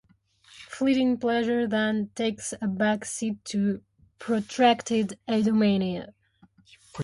Fleeting pleasure, then, takes a back seat to protracted eudaimonia.